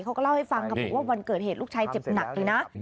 เขาก็เล่าให้ฟังค่ะบอกว่าวันเกิดเหตุลูกชายเจ็บหนักเลยนะ